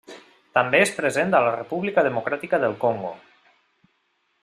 També és present a la República Democràtica del Congo.